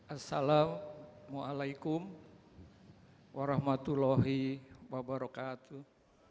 assalamualaikum warahmatullahi wabarakatuh